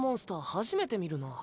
初めて見るな。